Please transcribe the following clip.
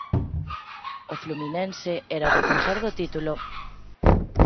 O Fluminense era o defensor do título.